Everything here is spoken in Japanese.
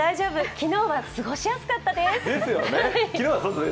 昨日は過ごしやすかったですね。